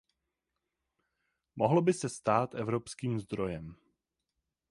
Mohlo by se stát evropským zdrojem.